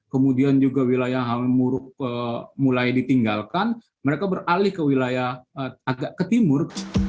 kemudian juga wilayah halimuruk mulai ditinggalkan mereka beralih ke wilayah agak ke timur